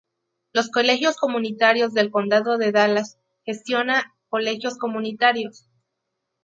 Los Colegios Comunitarios del Condado de Dallas gestiona colegios comunitarios.